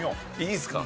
いいですか？